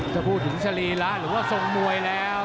จะพูดถึงชะลีแล้วหรือว่าทรงมวยแล้ว